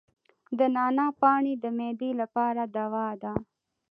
د نعناع پاڼې د معدې لپاره دوا ده.